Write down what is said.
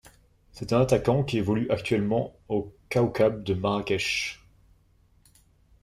C'est un attaquant qui évolue actuellement au Kawkab de Marrakech.